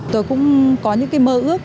tôi cũng có những mơ ước